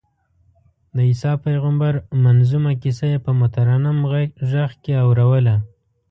د عیسی پېغمبر منظمومه کیسه یې په مترنم غږ کې اورووله.